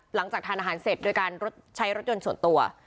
หลังจากทานอาหารเสร็จโดยการใช้รถยนต์ส่วนตัว